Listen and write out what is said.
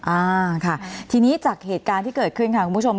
อ่าค่ะทีนี้จากเหตุการณ์ที่เกิดขึ้นค่ะคุณผู้ชม